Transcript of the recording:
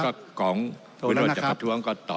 ก็ของคุณวิโรธจะประท้วงก็ต่อ